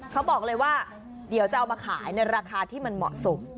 เขาบอกเลยว่าเดี๋ยวจะเอามาขายในราคาที่มันเหมาะสม